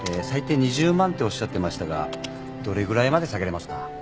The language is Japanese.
最低２０万っておっしゃってましたがどれぐらいまで下げれますか？